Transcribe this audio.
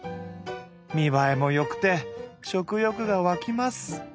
見栄えも良くて食欲がわきます。